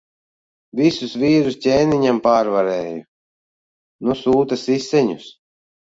Visus vīrus ķēniņam pārvarēju. Nu sūta siseņus.